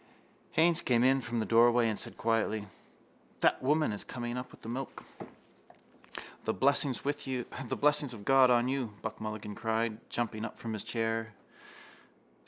Haines came in from the doorway and said quietly: —That woman is coming up with the milk. —The blessings of God on you! Buck Mulligan cried, jumping up from his chair.